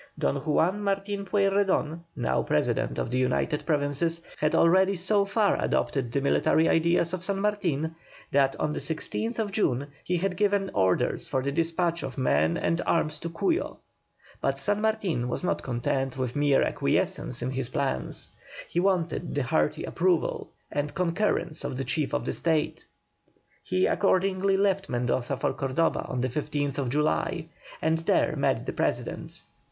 Don Juan Martin Pueyrredon, now President of the United Provinces, had already so far adopted the military ideas of San Martin, that on the 16th June he had given orders for the despatch of men and arms to Cuyo, but San Martin was not content with mere acquiescence in his plans, he wanted the hearty approval and concurrence of the Chief of the State. He accordingly left Mendoza for Cordoba on the 15th July, and there met the President.